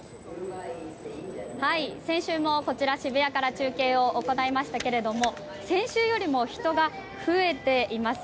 先週もこちら渋谷から中継を行いましたけれども先週よりも人が増えています。